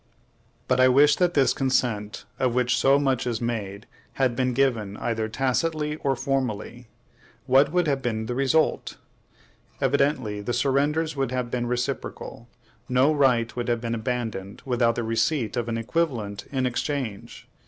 But I wish that this consent, of which so much is made, had been given, either tacitly or formally. What would have been the result? Evidently, the surrenders would have been reciprocal; no right would have been abandoned without the receipt of an equivalent in exchange.